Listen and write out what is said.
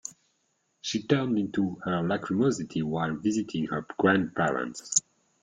She turned into her lachrymosity while visiting her grandparents.